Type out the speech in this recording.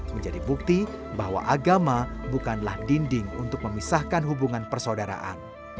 menjadi bukti bahwa agama bukanlah dinding untuk memisahkan hubungan persaudaraan